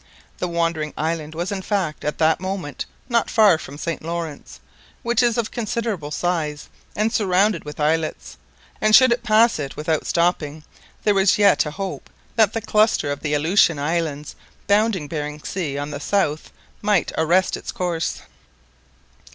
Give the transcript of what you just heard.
The wandering island was in fact at that moment not far from St Lawrence, which is of a considerable size, and surrounded with islets; and should it pass it without stopping, there was yet a hope that the cluster of the Aleutian Islands, bounding Behring Sea on the south, might arrest its course.